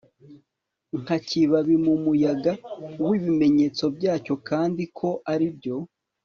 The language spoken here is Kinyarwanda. Nka kibabi mumuyaga wibimenyetso byacyo kandi ko aribyo